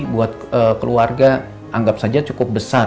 buat keluarga anggap saja cukup besar